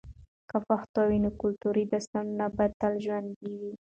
که پښتو وي، نو کلتوري داستانونه به تل ژوندۍ وي.